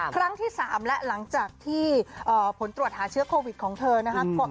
ครั้งที่๓และหลังจากที่ผลตรวจหาเชื้อโควิดของเธอนะครับ